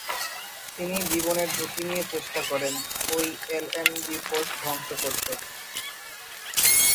তিনি জীবনের ঝুঁকি নিয়ে চেষ্টা করেন ওই এলএমজি পোস্ট ধ্বংস করতে।